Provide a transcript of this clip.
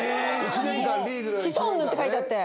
「シソンヌ」って書いてあって。